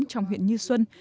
trong huyện như xuân